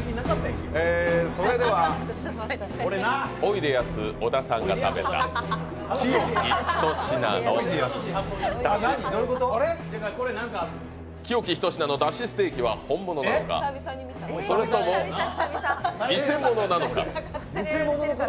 それでは、おいでやす小田さんが食べた清喜ひとしなの出汁ステーキは本物なのか、それともニセモノなのか。